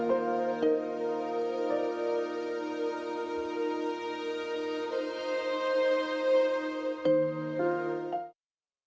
lebih mencintai istri dan anak anak